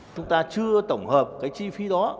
chúng ta chưa tổng hợp cái chi phí đó